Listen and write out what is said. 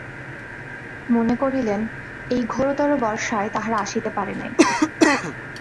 মনে করিলেন, এই ঘোরতর বর্ষায় তাহারা আসিতে পারে নাই।